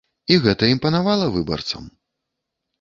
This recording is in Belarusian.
І гэта імпанавала выбарцам.